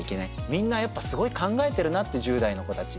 みんなやっぱすごい考えてるなって１０代の子たち。